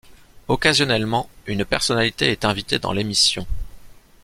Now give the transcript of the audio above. Occasionnellement, une personnalité est invitée dans l'émission.